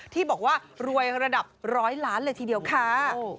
ที่บอกว่ารวยระดับร้อยล้านเลยทีเดียวค่ะ